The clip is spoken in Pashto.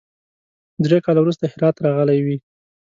درې کاله وروسته هرات راغلی وي.